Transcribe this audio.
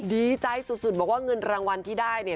ดีใจสุดบอกว่าเงินรางวัลที่ได้เนี่ย